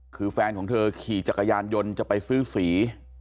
คือแฟนของเธอขี่จักรยานยนต์จะไปซื้อสี